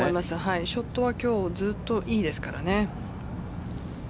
ショットは今日ずっといいですからね。